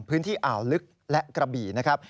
พื้นที่อ่าวลึกและกระบี่นะครับ